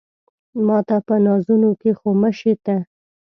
ماته په نازونو کې خو مه شې ته